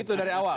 itu dari awal